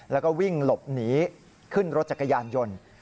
แล้วก็วิ่งหลบหนีขึ้นรถจักรยานยนต์